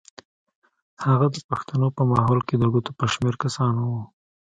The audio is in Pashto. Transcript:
هغه د پښتنو په ماحول کې د ګوتو په شمېر کسانو څخه و.